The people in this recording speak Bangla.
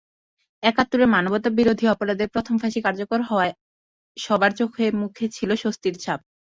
একাত্তরের মানবতাবিরোধী অপরাধের প্রথম ফাঁসি কার্যকর হওয়ায় সবার চোখেমুখে ছিল স্বস্তির ছাপ।